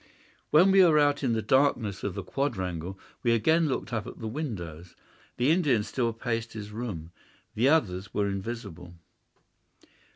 When we were out in the darkness of the quadrangle we again looked up at the windows. The Indian still paced his room. The others were invisible.